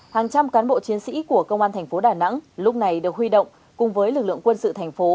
hàng trăm cán bộ chiến sĩ của công an thành phố đà nẵng lúc này được huy động cùng với lực lượng quân sự thành phố